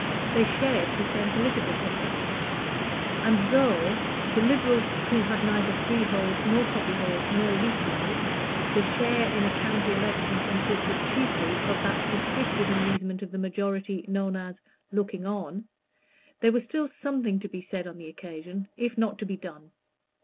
They shared the same political sympathies; and though, to Liberals who had neither freehold nor copyhold nor leasehold, the share in a county election consisted chiefly of that prescriptive amusement of the majority known as "looking on," there was still something to be said on the occasion, if not to be done.